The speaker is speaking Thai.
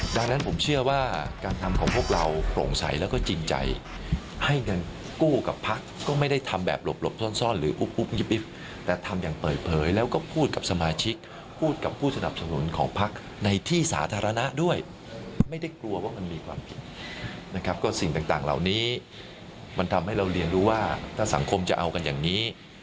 ดังนั้นผมเชื่อว่าการทำของพวกเราโปร่งใสแล้วก็จริงใจให้เงินกู้กับพักก็ไม่ได้ทำแบบหลบซ่อนหรืออุ๊บยิบยิบแต่ทำอย่างเปิดเผยแล้วก็พูดกับสมาชิกพูดกับผู้สนับสนุนของพักในที่สาธารณะด้วยไม่ได้กลัวว่ามันมีความผิดนะครับก็สิ่งต่างเหล่านี้มันทำให้เราเรียนรู้ว่าถ้าสังคมจะเอากันอย่างนี้